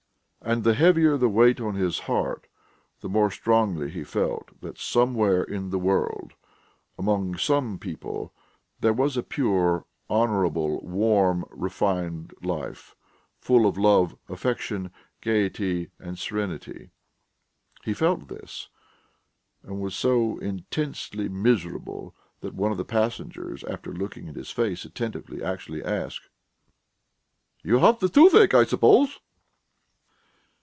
And the heavier the weight on his heart, the more strongly he felt that somewhere in the world, among some people, there was a pure, honourable, warm, refined life, full of love, affection, gaiety, and serenity.... He felt this and was so intensely miserable that one of the passengers, after looking in his face attentively, actually asked: "You have the toothache, I suppose?"